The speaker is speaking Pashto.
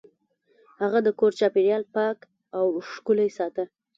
هغه د کور چاپیریال پاک او ښکلی ساته.